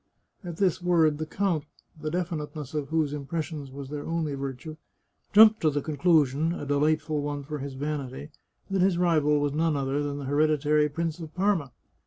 At this word the count, the definiteness of whose impressions was their only virtue, jumped to the conclusion — a delightful one for his vanity — that his rival was none other than the hereditary Prince of Parma.